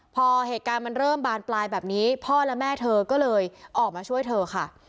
พอเหตุการณ์มันเริ่มบานปลายแบบนี้พ่อและแม่เธอก็เลยออกมาช่วยเธอค่ะ